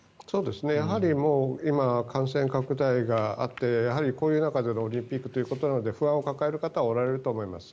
今、感染拡大があってこういう中でのオリンピックということなので不安を抱える方はおられると思います。